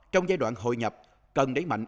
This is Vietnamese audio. trong giai đoạn hội nhập cần đẩy mạnh